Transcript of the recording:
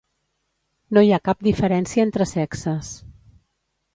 No hi ha cap diferència entre sexes.